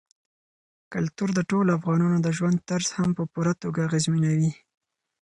کلتور د ټولو افغانانو د ژوند طرز هم په پوره توګه اغېزمنوي.